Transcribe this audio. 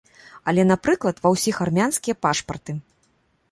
Але, напрыклад, ва ўсіх армянскія пашпарты.